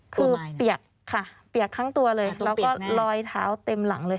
คือเปียกค่ะเปียกทั้งตัวเลยแล้วก็รอยเท้าเต็มหลังเลย